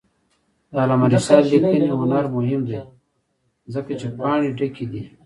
د علامه رشاد لیکنی هنر مهم دی ځکه چې پاڼې ډکې دي.